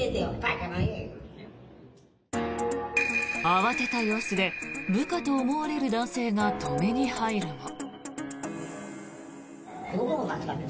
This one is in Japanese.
慌てた様子で部下と思われる男性が止めに入るも。